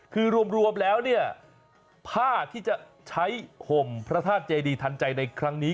คือรวมแล้วเนี่ยผ้าที่จะใช้ห่มพระธาตุเจดีทันใจในครั้งนี้